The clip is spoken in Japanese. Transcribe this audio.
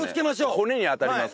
骨に当たりますから。